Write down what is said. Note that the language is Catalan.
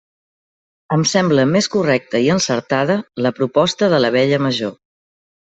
Em sembla més correcta i encertada la proposta de l'Abella Major.